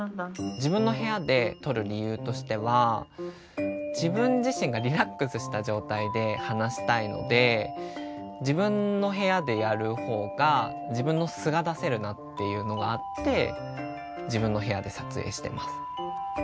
自分の部屋で撮る理由としては自分自身がリラックスした状態で話したいので自分の部屋でやる方が自分の素が出せるなっていうのがあって自分の部屋で撮影してます。